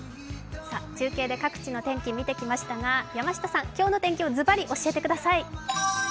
中継で各地の天気見てきましたが、山下さん、今日の天気をずばり教えてください。